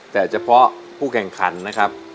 แต่เฉพาะผู้แข่งขันนะครับ